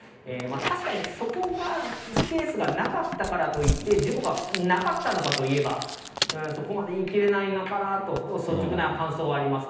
確かにそこがスペースがなかったからといって、事故がなかったのかといえば、そこまで言いきれないのかなと、率直な感想はあります。